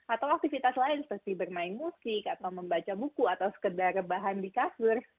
atau aktivitas lain seperti bermain musik atau membaca buku atau sekedar bahan di kasur